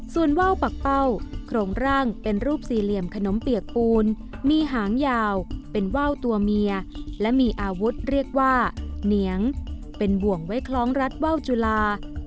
ส่วนว่าวปักเป้าโครงร่างเป็นรูปสี่เหลี่ยมขนมเปียกปูนมีหางยาวเป็นว่าวตัวเมียและมีอาวุธเรียกว่าเหนียงเป็นบ่วงไว้คล้องรัดว่าวจุลา